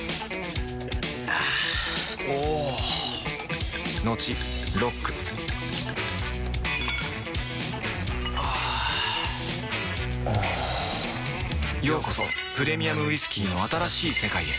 あぁおぉトクトクあぁおぉようこそプレミアムウイスキーの新しい世界へ